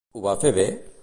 Ho va fer bé?